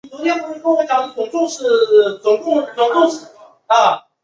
日野交流道是位于神奈川县横滨市南区的横滨横须贺道路之交流道。